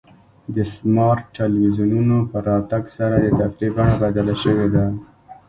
د سمارټ ټلویزیونونو په راتګ سره د تفریح بڼه بدله شوې ده.